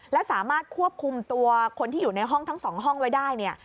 และสามารถควบคุมตัวคนที่อยู่ในห้องทั้งสองห้องไว้ได้เนี่ย